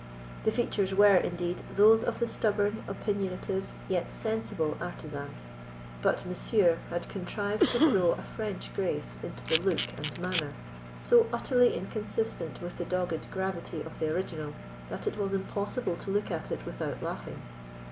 The features were, indeed, those of the stubborn, opinionative, yet sensible artisan, but Monsieur had contrived to throw a French grace into the look and manner, so utterly inconsistent with the dogged gravity of the original, that it was impossible to look at it without laughing.